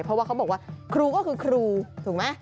เพราะว่าเขาบอกว่าครูก็คือครูถูกไหม